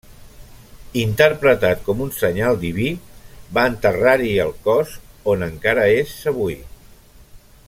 Interpretat com un senyal diví, van enterrar-hi el cos, on encara és avui.